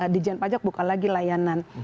di janpajak buka lagi layanan